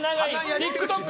ＴｉｋＴｏｋ